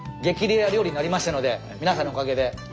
レア料理になりましたので皆さんのおかげで。